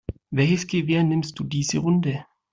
Welches Gewehr nimmst du diese Runde?